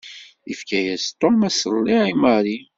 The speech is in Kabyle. Yefka-yas Tom aṣelliɛ i Mary.